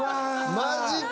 マジか。